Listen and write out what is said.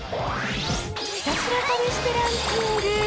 ひたすら試してランキング。